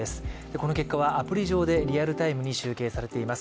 この結果はアプリ上でリアルタイムに集計されています。